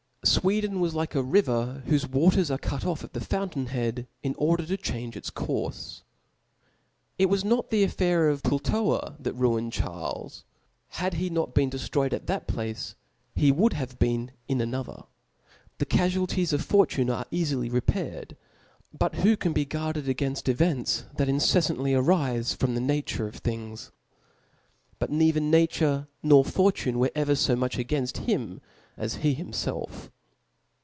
Sweden was like a river, whofe waters are cut off at the fountain head, in order to change its courfe. It was not the affair of Pultova that ruined Charles. Had h^ not been deftrbycd at that place^ he would in another. The cafualties of fortune are cafily repaired ; but who can be guarded againfl: events that inceffantly arife from the na ture of things ? But neither nature nor fortune were ever fo much againfl: him, as he hittifelf.